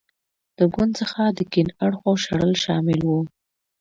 له ګوند څخه د کیڼ اړخو شړل شامل و.